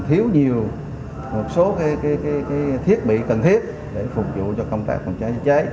thiếu nhiều một số thiết bị cần thiết để phục vụ cho công tác phòng cháy chữa cháy